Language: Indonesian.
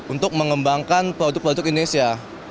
untuk mengembangkan produk produk indonesia